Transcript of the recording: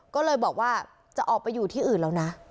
ก็เลยบอกว่าจะออกไปอยู่ที่อื่นแล้วนะ